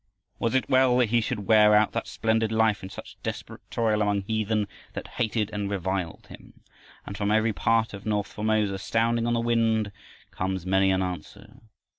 Was it well that he should wear out that splendid life in such desperate toil among heathen that hated and reviled him? And from every part of north Formosa, sounding on the wind, comes many an answer.